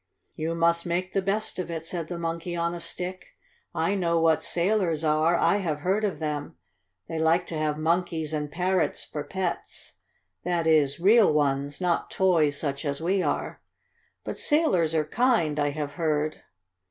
"You must make the best of it," said the Monkey on a Stick. "I know what sailors are I have heard of them. They like to have monkeys and parrots for pets that is, real ones, not toys such as we are. But sailors are kind, I have heard."